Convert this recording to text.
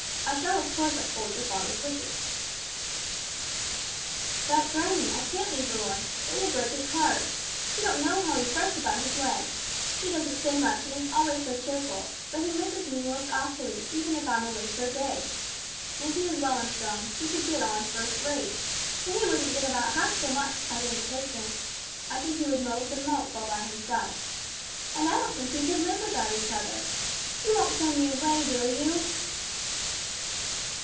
I shall of course uphold your father's wishes." "But, granny, I can't leave Roy. It will break his heart. You don't know how he frets about his leg. He doesn't say much and is always so cheerful, but he misses me most awfully even if I'm away for a day. If he was well and strong, he could get on first rate, but he wouldn't get about half so much if I didn't take him. I think he would mope and mope all by himself. And I don't think we could live without each other. You won't send me away, will you?"